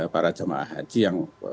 para jemaah haji yang